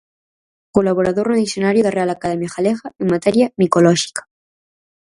Colaborador no Dicionario da Real Academia Galega en materia micolóxica.